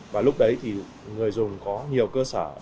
và lúc đấy thì người dùng có nhiều cơ sở